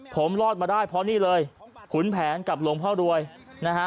ผมรอดมาได้เพราะนี่เลยขุนแผนกับหลวงพ่อรวยนะฮะ